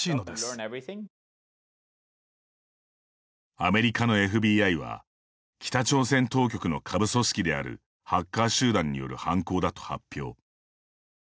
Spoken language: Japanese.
アメリカのＦＢＩは北朝鮮当局の下部組織であるハッカー集団による犯行だと発表。